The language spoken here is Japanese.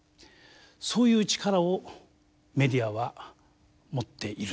そういう力をメディアは持っている。